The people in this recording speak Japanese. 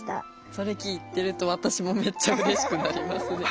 それ聞いてると私もめっちゃうれしくなりますね。